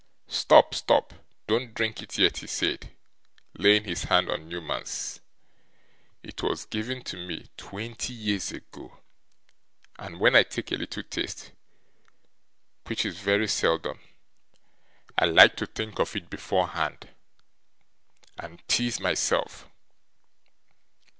'Stop, stop; don't drink it yet,' he said, laying his hand on Newman's; 'it was given to me, twenty years ago, and when I take a little taste, which is ve ry seldom, I like to think of it beforehand, and tease myself.